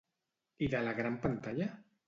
I de la gran pantalla?